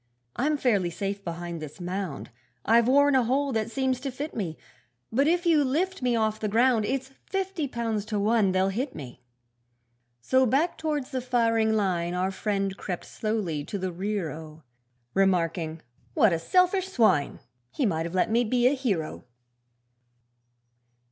'I'm fairly safe behind this mound, I've worn a hole that seems to fit me; But if you lift me off the ground, It's fifty pounds to one they'll hit me.' So back towards the firing line Our friend crept slowly to the rear oh! Remarking 'What a selfish swine! He might have let me be a hero.'